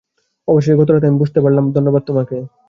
অবশেষে গতরাতে আমি বুঝতে পারলাম, ধন্যবাদ তোমাকে।